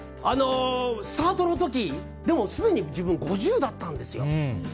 スタートの時すでに自分５０だったんですよ。